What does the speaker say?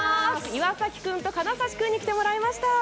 岩崎君と金指君に来てもらいました。